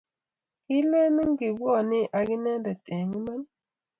Kiileni kibwoni akinendet eng' iman?